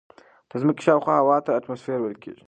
د ځمکې شاوخوا هوا ته اتموسفیر ویل کیږي.